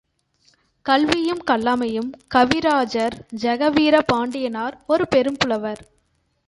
கல்வியும் கல்லாமையும் கவிராஜர் ஜெகவீர பாண்டியனார் ஒரு பெரும் புலவர்.